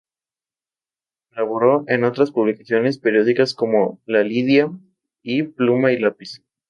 Colaboró en otras publicaciones periódicas como "La Lidia" y "Pluma y Lápiz".